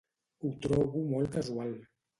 Ho trobo molt casual.